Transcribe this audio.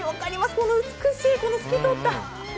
この美しい、透き通った実。